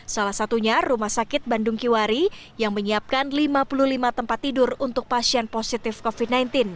salah satunya rumah sakit bandung kiwari yang menyiapkan lima puluh lima tempat tidur untuk pasien positif covid sembilan belas